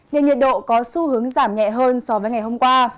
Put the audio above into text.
nên nhiệt độ có xu hướng giảm nhẹ hơn so với ngày hôm qua